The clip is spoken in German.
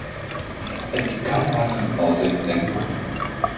Es gibt keine weiteren Orte in der Gemeinde.